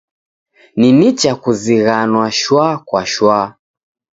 Ni nicha kuzighanwa shwa kwa shwa.